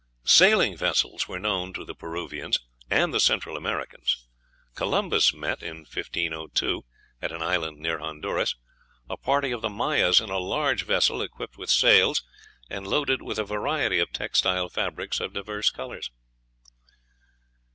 Sailing vessels were known to the Peruvians and the Central Americans. Columbus met, in 1502, at an island near Honduras, a party of the Mayas in a large vessel, equipped with sails, and loaded with a variety of textile fabrics of divers colors.